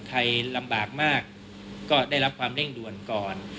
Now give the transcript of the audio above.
ใครลำบากมากก็ได้รับความเร่งด่วนก่อน